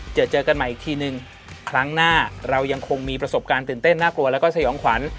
เจอเจอกันใหม่อีกทีนึงครั้งหน้าเรายังคงมีประสบการณ์ตื่นเต้นน่ากลัวแล้วก็สยองขวัญ